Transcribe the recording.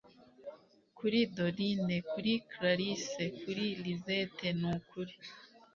kuri dorine, kuri clarisse, kuri lisette, nukuri